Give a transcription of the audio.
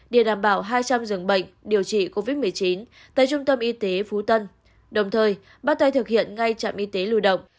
để đảm bảo hai trăm linh dường bệnh điều trị covid một mươi chín tại trung tâm y tế phú tân đồng thời bắt tay thực hiện ngay trạm y tế lưu động